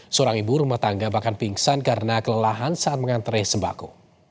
seorang ibu rumah tangga bahkan pingsan karena kelelahan saat mengantre sembako